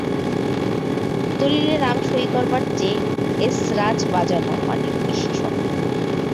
দলিলে নাম সই করবার চেয়ে এসরাজ বাজানো অনেক বেশি শক্ত।